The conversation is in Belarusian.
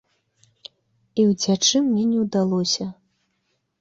І ўцячы мне не ўдалося.